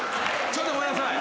ちょっとごめんなさい。